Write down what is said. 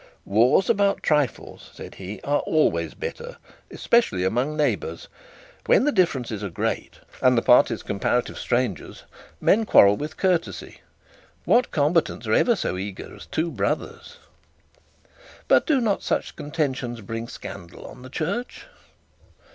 'Wars about trifles,' said he, 'are always bitter, especially among neighbours. When the differences are great, and the parties comparative strangers, men quarrel with courtesy. What combatants are ever so eager as two brothers?' 'But do not such contentions bring scandal on the church?'